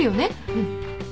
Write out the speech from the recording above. うん。